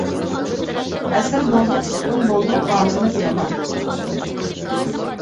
ئەسىر بولدۇق تۇتقۇن بولدۇق ھالىمىز يامان.